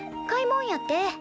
買い物やって。